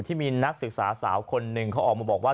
ที่มีนักศึกษาสาวคนหนึ่งเขาออกมาบอกว่า